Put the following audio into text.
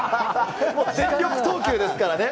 全力投球ですからね。